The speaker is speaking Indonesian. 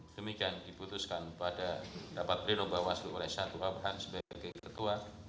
demikian diputuskan pada dapat beri nombor bawaslu oleh satu abhan sebagai ketua